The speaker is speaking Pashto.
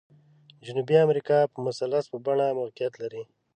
جنوبي امریکا په مثلث په بڼه موقعیت لري.